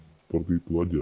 seperti itu saja